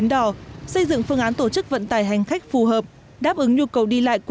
đáp ứng nhu cầu đi lại của các doanh nghiệp kinh doanh